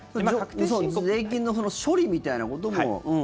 税金の処理みたいなことも。